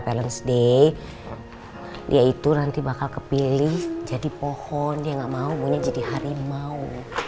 balance day dia itu nanti bakal kepilih jadi pohon dia gak mau punya jadi harimau